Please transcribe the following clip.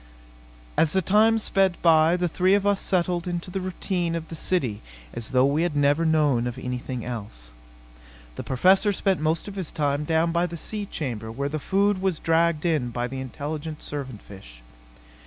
As the time sped by the three of us settled into the routine of the city as though we had never known of anything else. The Professor spent most of his time down by the sea chamber where the food was dragged in by the intelligent servant fish.